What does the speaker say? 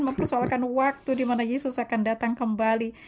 mempersoalkan waktu di mana yesus akan datang kembali